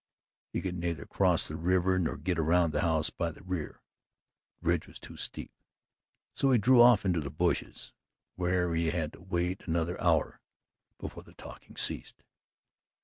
He could neither cross the river nor get around the house by the rear the ridge was too steep so he drew off into the bushes, where he had to wait another hour before the talking ceased.